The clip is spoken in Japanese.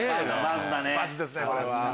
バズですねこれは。